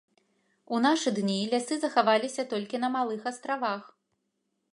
У нашы дні лясы захаваліся толькі на малых астравах.